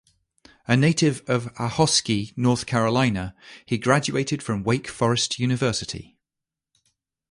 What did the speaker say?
A native of Ahoskie, North Carolina, he graduated from Wake Forest University.